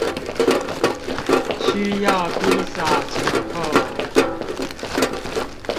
需要披薩折扣